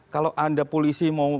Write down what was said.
kalau ada polisi mau